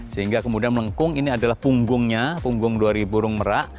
sehingga kemudian melengkung ini adalah punggungnya punggung dari burung merah